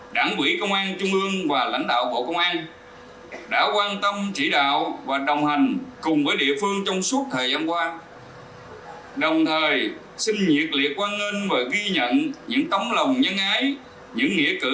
đây là một chương trình hết sức ý nghĩa thiết thật